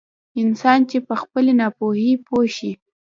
انسان چې په خپلې ناپوهي پوه شي.